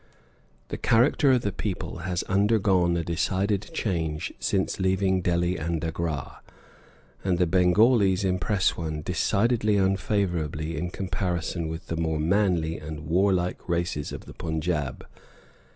The character of the people has undergone a decided change since leaving Delhi and Agra, and the Bengalis impress one decidedly unfavorably in comparison with the more manly and warlike races of the Punjab.